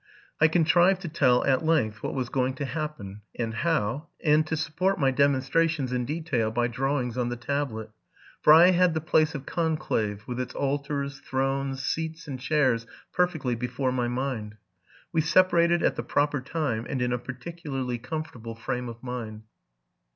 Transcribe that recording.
I contrived to tell, at length, what was going to happen, and how, and to support my demonstra tions in detail by drawings on the tablet; for I had the place of conclave, with its altars, thrones, seats, and chairs, perfectly before my mind. We separated at the proper time, and in a particularly comfortable frame of mind.